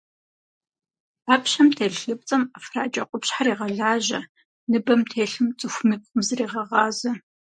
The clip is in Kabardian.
Ӏэпщэм телъ лыпцӏэм ӏэфракӏэ къупщхьэр егъэлажьэ, ныбэм телъым цӏыхум и пкъым зрегъэгъазэ.